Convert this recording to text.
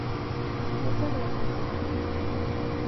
Letra de la canción